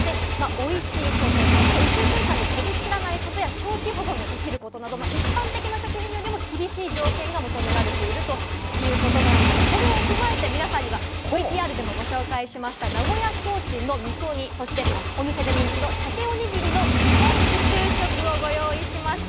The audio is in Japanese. おいしいこと、そして宇宙空間で飛び散らないことや長期保存ができることなど一般的な食品よりも厳しい条件が求められているということですが、それを踏まえて、皆さんにはＶＴＲでもご紹介しました名古屋コーチンの味噌煮、そしてお店で人気の鮭おにぎりの日本宇宙食をご用意しました。